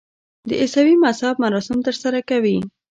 د عیسوي مذهب مراسم ترسره کوي.